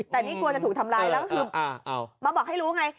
แต่นี่กลัวจะถูกทำร้ายแล้วก็คือมาบอกให้รู้ไง